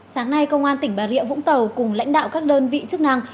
sáng nay công an tỉnh bà rịa vũng tàu cùng lãnh đạo các đơn vị chức năng